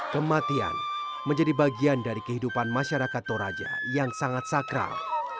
kematian menjadi bagian dari kehidupan masyarakat toraja yang sangat sakral